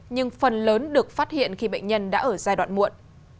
nhưng phần lớn được phát hiện khi bệnh nhân đã ở giai đoạn muộn